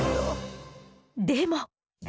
でも。